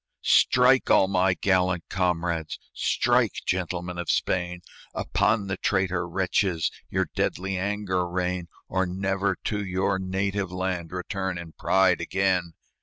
"Strike! all my gallant comrades! Strike! gentlemen of Spain! Upon the traitor wretches Your deadly anger rain, Or never to your native land Return in pride again!"